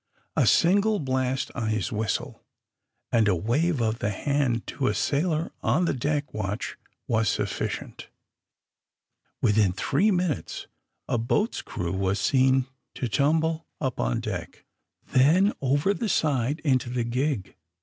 A single blast on his whistle, and a wave of the hand to a sailor of the deck watch was sufficient. Within three minutes a boat's crew was seen to tumble up on deck, then over the side into the gig.